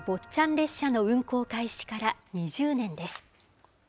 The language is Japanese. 列車の運行開始から２０年です。